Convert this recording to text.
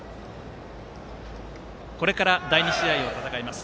これから第２試合を戦います